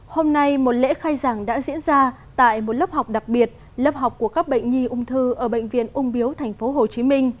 hôm nay một lễ khai giảng đã diễn ra tại một lớp học đặc biệt lớp học của các bệnh nhi ung thư ở bệnh viện ung biếu tp hcm